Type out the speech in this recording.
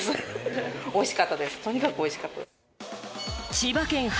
千葉県発！